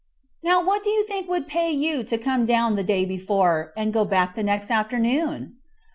Now, what do you think would pay you to come down the day before, and go back the next afternoon?"